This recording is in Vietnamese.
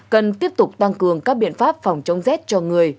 cần tiếp tục tăng cường các biện pháp phòng chống rét cho người